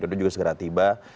itu juga segera tiba